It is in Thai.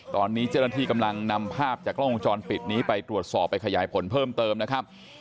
ตอนนี้เจ้าหน้าที่กำลังนำภาพจากกล้องวงจรปิดนี้ไปตรวจสอบไปขยายผลเพิ่มเติมนะครับ